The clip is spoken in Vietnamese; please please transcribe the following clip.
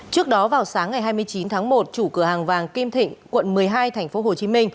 trước đó vào sáng ngày hai mươi chín tháng một chủ cửa hàng vàng kim thịnh quận một mươi hai tp hcm